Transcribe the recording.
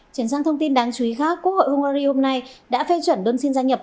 chuyển sang thông tin đáng chú ý khác quốc hội hungary hôm nay đã phê chuẩn đơn xin gia nhập